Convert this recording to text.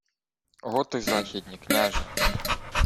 — Готи західні, княже.